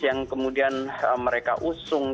yang kemudian mereka usung